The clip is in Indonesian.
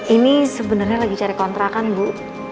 ini sebenarnya lagi cari kontrakan bu